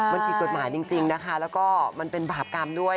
มันผิดกฎหมายจริงนะคะแล้วก็มันเป็นบาปกรรมด้วย